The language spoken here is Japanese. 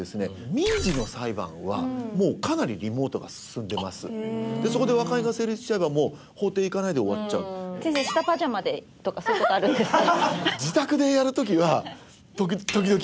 民事の裁判はもうかなりリモートが進んでますでそこで和解が成立しちゃえばもう法廷行かないで終わっちゃうとかそういうことあるんですか？